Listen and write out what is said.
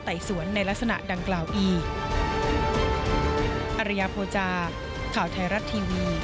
ไตสวนในลักษณะดังกล่าวอีอริยาโพจาข่าวไทยรัฐทีวี